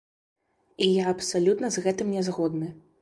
І я абсалютна з гэтым не згодны.